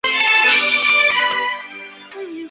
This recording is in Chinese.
翻开断砖来，有时会遇见蜈蚣